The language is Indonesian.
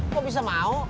kok bisa mau